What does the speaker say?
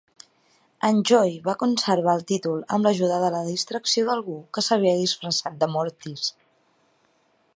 En Joey va conservar el títol amb l'ajuda de la distracció d'algú que s'havia disfressat de Mortis.